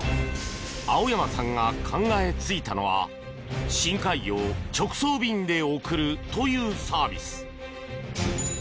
青山さんが考え付いたのは深海魚を直送便で送るというサービス。